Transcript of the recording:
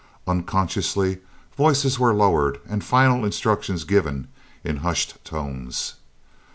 Unconsciously voices were lowered and final instructions given in hushed tones.